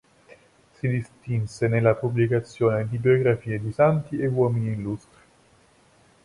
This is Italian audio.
Si distinse nella pubblicazione di biografie di santi e uomini illustri.